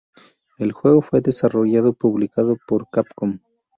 El juego fue desarrollado y publicado por Capcom.